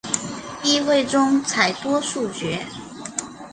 议会中采多数决。